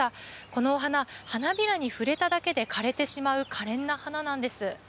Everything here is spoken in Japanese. このお花、花びらに触れただけで枯れてしまうかれんな花なんです。